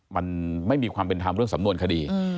มันไม่มีความเป็นธรรมเรื่องสำนวนคดี